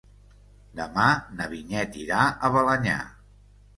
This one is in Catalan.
Demà na Vinyet irà a Balenyà.